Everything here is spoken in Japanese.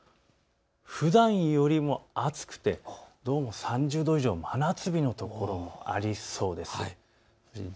ふだんよりも暑くてどうも３０度以上、真夏日の所ありそうです。